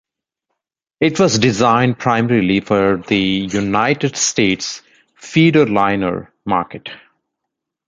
It was designed primarily for the United States "feederliner" market.